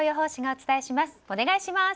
お願いします。